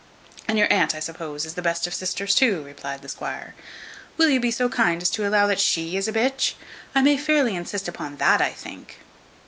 "And your aunt, I suppose, is the best of sisters too!" replied the squire. "Will you be so kind as to allow that she is a b ? I may fairly insist upon that, I think?"